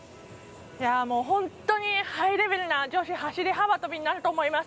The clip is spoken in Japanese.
本当にハイレベルな女子走り幅跳びになると思います。